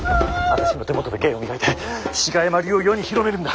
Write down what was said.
私の手元で芸を磨いて志賀山流を世に広めるんだ。